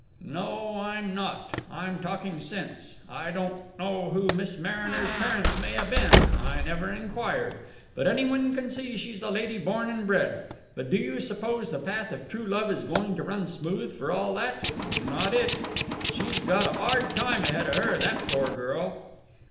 "No, I'm not. I'm talking sense. I don't know who Miss Mariner's parents may have been I never enquired but anyone can see she's a lady born and bred. But do you suppose the path of true love is going to run smooth, for all that? Not it! She's got a 'ard time ahead of her, that poor girl!"